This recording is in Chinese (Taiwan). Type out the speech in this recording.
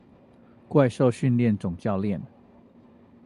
怪獸訓練總教練